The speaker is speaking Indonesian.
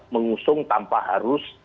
mengusung tanpa harus